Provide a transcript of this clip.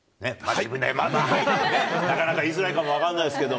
なかなか言いづらいかも分かんないですけど。